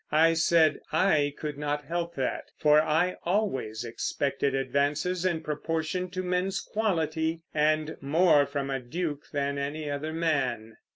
I said I could not help that, for I always expected advances in proportion to men's quality, and more from a Duke than any other man.